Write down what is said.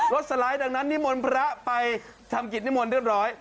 สไลด์ดังนั้นนิมนต์พระไปทำกิจนิมนต์เรียบร้อย